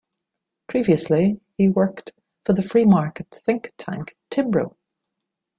Previously, he worked for the free market think tank Timbro.